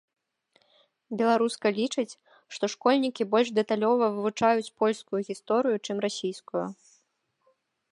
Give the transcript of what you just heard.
Беларуска лічыць, што школьнікі больш дэталёва вывучаюць польскую гісторыю, чым расійскую.